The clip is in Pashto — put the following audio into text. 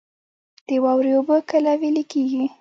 د واورې اوبه کله ویلی کیږي؟